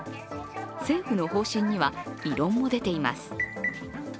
政府の方針には異論も出ています。